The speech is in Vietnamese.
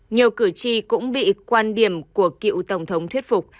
nhiều cử tri cũng bị quan điểm của cựu tổng thống thuyết phục